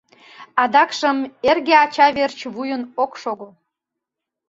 Адакшым «эрге ача верч вуйын ок шого».